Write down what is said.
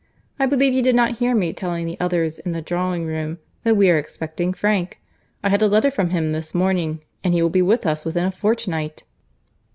I believe you did not hear me telling the others in the drawing room that we are expecting Frank. I had a letter from him this morning, and he will be with us within a fortnight."